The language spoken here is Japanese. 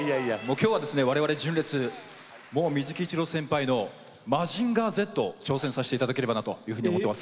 今日は我々、純烈水木一郎先輩の「マジンガーＺ」に挑戦させていただければと思っています。